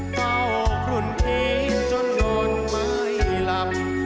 เฝ้าคลุณผิดจนโดนไม่หลับ